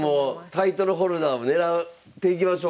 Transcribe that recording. タイトルホルダーもねらっていきましょう。